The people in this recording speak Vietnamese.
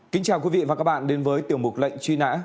kính chào quý vị và các bạn đến với tiểu mục lệnh truy nã